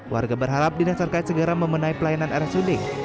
warga berharap dinasarkan segera memenai pelayanan rsud